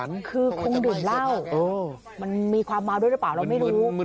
มันมีความมากด้วยหรือเปล่าเราไม่รู้